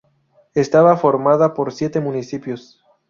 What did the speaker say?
Estaba formada por siete municipios.